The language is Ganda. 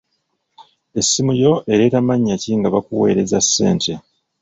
Essimu yo ereeta mannya ki nga bakuweereza ssente.